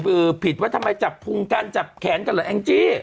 เอ่อผิดว่าทำไมจับรูปลุงกันจับแขนกันหรอเองจี้